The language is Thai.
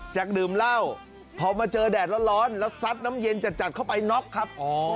จากดื่มเหล้าพอมาเจอแดดร้อนแล้วซัดน้ำเย็นจัดเข้าไปน็อกครับ